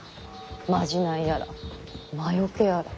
まじないやら魔よけやら。